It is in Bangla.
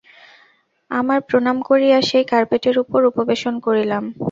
আমরা প্রণাম করিয়া সেই কার্পেটের উপর উপবেশন করিলাম।